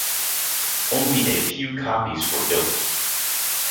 Only a few copies were built.